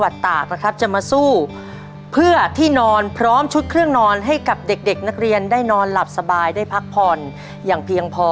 เด็กนักเรียนได้นอนหลับสบายได้พักผ่อนอย่างเพียงพอ